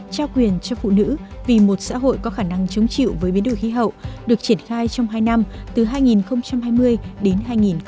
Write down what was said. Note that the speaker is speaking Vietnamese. trao quyền cho phụ nữ vì một xã hội có khả năng chống chịu với biến đổi khí hậu được triển khai trong hai năm từ hai nghìn hai mươi đến hai nghìn hai mươi một